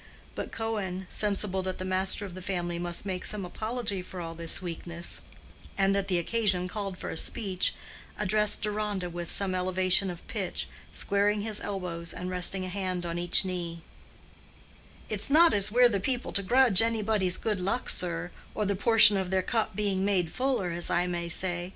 But Cohen, sensible that the master of the family must make some apology for all this weakness, and that the occasion called for a speech, addressed Deronda with some elevation of pitch, squaring his elbows and resting a hand on each knee: "It's not as we're the people to grudge anybody's good luck, sir, or the portion of their cup being made fuller, as I may say.